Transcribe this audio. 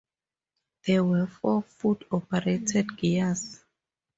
There were four foot-operated gears.